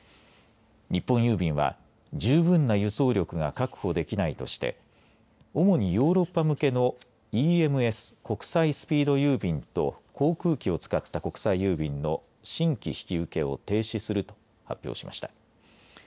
日本郵便は十分な輸送力が確保できないとして主にヨーロッパ向けのＥＭＳ・国際スピード郵便と航空機を使った国際郵便の新規引き受けを停止すると発表しました。